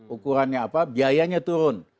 ukurannya apa biayanya turun